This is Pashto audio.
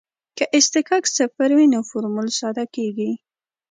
که اصطکاک صفر وي نو فورمول ساده کیږي